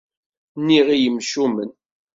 Nniɣ i yimcumen.